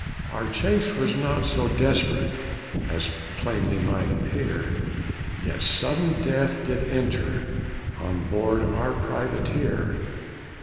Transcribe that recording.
Our case was not so desperate As plainly might appear; Yet sudden death did enter On board our privateer.